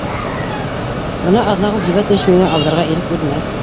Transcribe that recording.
Бына Аҙнағол Һибәтович миңә алдарға ирек бирмәҫ